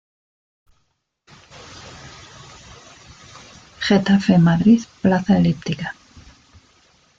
Getafe-Madrid plaza elíptica